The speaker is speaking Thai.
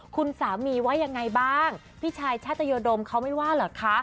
คุณสามีว่ายังไงบ้างพี่ชายชาตยดมเขาไม่ว่าเหรอคะ